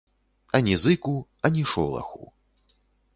Ані зыку, ані шолаху.